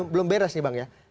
belum beres nih bang ya